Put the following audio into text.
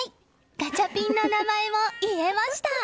ガチャピンの名前も言えました！